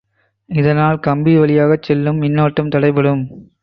இதனால் கம்பி வழியாகச் செல்லும் மின்னோட்டம் தடைப்படும்.